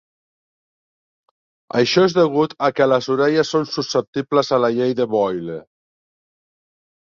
Això és degut a que les orelles són susceptibles a la Llei de Boyle.